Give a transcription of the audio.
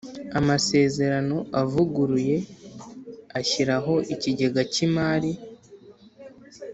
amasezerano avuguruye ashyiraho Ikigega cy imari